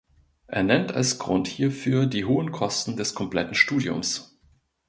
Er nennt als Grund hierfür die hohen Kosten des kompletten Studiums.